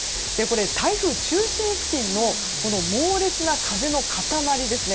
台風中心付近の猛烈な風の塊ですね。